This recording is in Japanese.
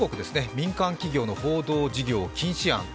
民間企業の報道事業禁止案。